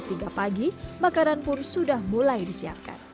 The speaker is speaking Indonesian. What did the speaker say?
pada saat tiga pagi makanan pun sudah mulai disiapkan